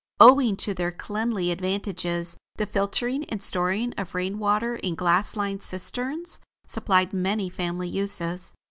Owing to their cleanly advantages, the filtering and storing of rain water in glass lined cisterns supplied many family uses.